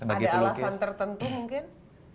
ada alasan tertentu mungkin